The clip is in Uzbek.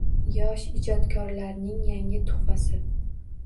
Yosh ijodkorlarning yangi tuhfasi